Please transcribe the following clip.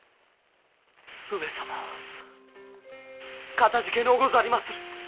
かたじけのうござりまする。